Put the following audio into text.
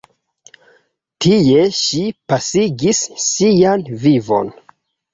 Tie ŝi pasigis sian vivon.